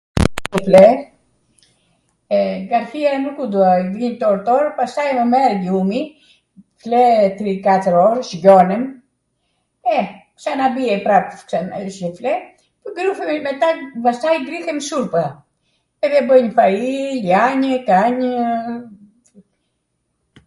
flje, nga tia nuku dua, vij torw torw, pastaja mw mer gjumi, fle tri katwr orw, zgjonem, e, ksana bie prap tw fle, meta, pastaj grihem supra edhe bwj fai, ljanjw thanjw...